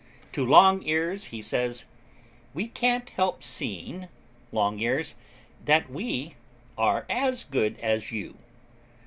To Longears he says, 'We can't help seeing, Longears, that we are as good as you.